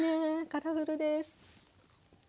カラフルです。